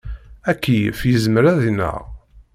Akeyyef yezmer ad ineɣ.